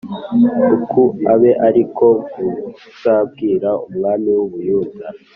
Uku abe ari ko muzabwira umwami w u Buyuda